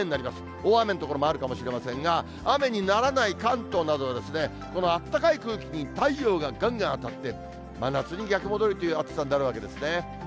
大雨の所もあるかもしれませんが、雨にならない関東などは、このあったかい空気に太陽ががんがん当たって、真夏に逆戻りという暑さになるわけですね。